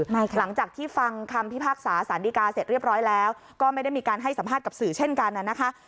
หลังจากที่ฟังคำพิพากษาสารดีกาเสร็จเรียบร้อยแล้วก็ไม่ได้มีการให้สัมภาษณ์กับสื่อเช่นกันนะคะ